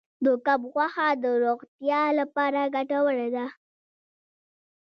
د کب غوښه د روغتیا لپاره ګټوره ده.